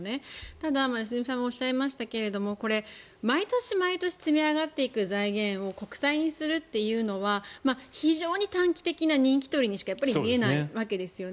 ただ、良純さんがおっしゃいましたけど毎年毎年積み上がっていく財源を国債にするというのは非常に短期的な人気取りにしか見えないわけですよね。